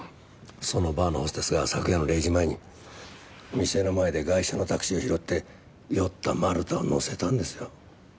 そのバーのホステスが昨夜の０時前に店の前でガイシャのタクシーを拾って酔った丸田を乗せたんですよ。